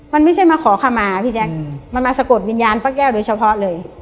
มันไม่ใช่มาขอขมาพี่แจ๊คมันมาสะกดวิญญาณป้าแก้วโดยเฉพาะเลย